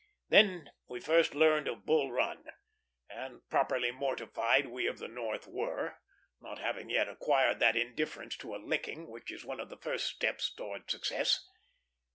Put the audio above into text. Then we first learned of Bull Run; and properly mortified we of the North were, not having yet acquired that indifference to a licking which is one of the first steps towards success.